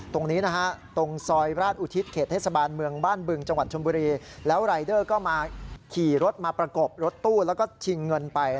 ตรงนี้ตรงซอยราชอุทิศเขตเทศบาลเมือง